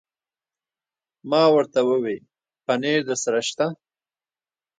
ما ورته وویل: پنیر درسره شته؟